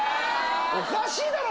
おかしいだろ！